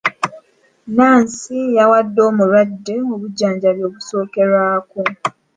Nnansi yawadde omulwadde obujjanjabi obusookerwako.